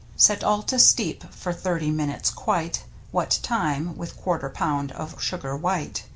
Set all to steep for thirty minutes quite. What time — with quarter pound of sugar white.